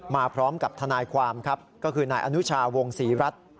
มาพร้อมกับทนายความครับก็คือนายอนุชาวงศรีรัฐ